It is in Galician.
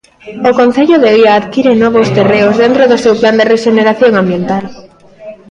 O Concello de Oia adquire novos terreos dentro do seu plan de rexeneración ambiental.